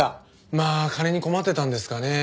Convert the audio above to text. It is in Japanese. まあ金に困ってたんですかね。